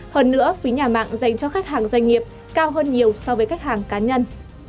hơn nữa phí nhà mạng dành cho khách hàng doanh nghiệp cao hơn nhiều so với khách hàng cá nhân